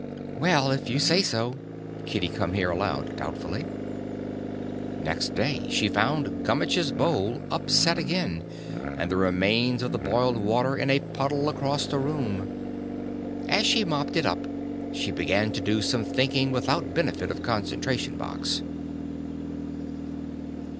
"Well, if you say so," Kitty Come Here allowed doubtfully. Next day she found Gummitch's bowl upset again and the remains of the boiled water in a puddle across the room. As she mopped it up, she began to do some thinking without benefit of Concentration Box.